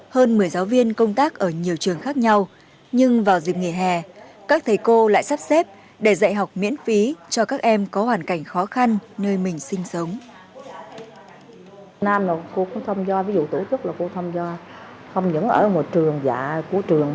hơn một mươi giáo viên công tác ở nhiều trường khác nhau nhưng vào dịp nghỉ hè các thầy cô lại sắp xếp để dạy học miễn phí cho các em có thể học